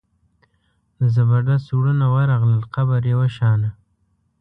د زبردست وروڼه ورغلل قبر یې وشان.